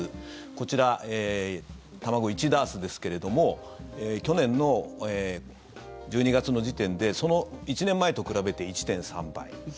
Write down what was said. こちら、卵１ダースですけれども去年の１２月の時点でその１年前と比べて１．３倍。